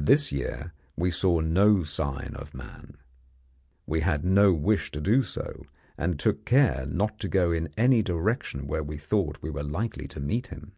This year we saw no sign of man. We had no wish to do so, and took care not to go in any direction where we thought we were likely to meet him.